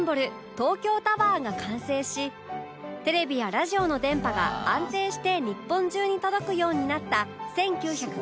東京タワーが完成しテレビやラジオの電波が安定して日本中に届くようになった１９５８年